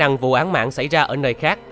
cả năng vụ án mạng xảy ra ở nơi khác